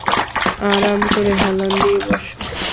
আরাম করে হেলান দিয়ে বস।